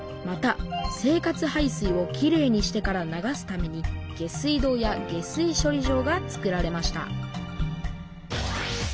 また生活排水をきれいにしてから流すために下水道や下水処理場がつくられました